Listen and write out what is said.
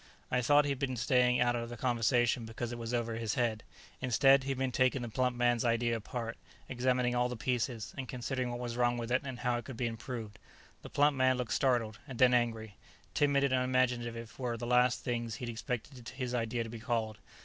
I thought he'd been staying out of the conversation because it was over his head. Instead, he had been taking the plump man's idea apart, examining all the pieces, and considering what was wrong with it and how it could be improved. The plump man looked startled, and then angry timid and unimaginative were the last things he'd expected his idea to be called.